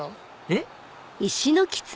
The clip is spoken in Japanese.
えっ？